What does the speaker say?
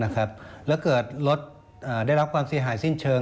แล้วเกิดรถได้รับความเสียหายสิ้นเชิง